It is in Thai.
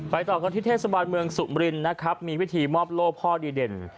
ต่อกันที่เทศบาลเมืองสุมรินนะครับมีวิธีมอบโล่พ่อดีเด่น